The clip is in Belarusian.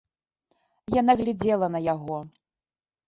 Яна глядзела на яго.